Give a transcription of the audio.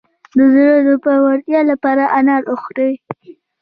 د زړه د پیاوړتیا لپاره انار وخورئ